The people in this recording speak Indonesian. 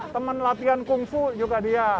temen latihan kungfu juga dia